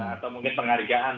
atau mungkin penghargaan